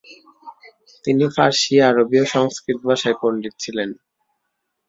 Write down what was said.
তিনি ফার্সি, আরবি ও সংস্কৃৃত ভাষায় পণ্ডিত ছিলেন।